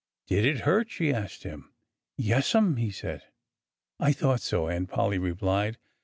"Did it hurt?" she asked him. "Yessum!" he said. "I thought so!" Aunt Polly replied.